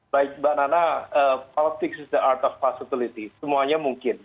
baik mbak nana politik adalah kemungkinan semuanya mungkin